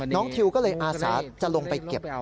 น้องทิวก็เลยอาศาสตร์จะลงไปเก็บ